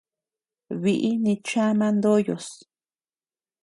Biʼi nichama ndoyos.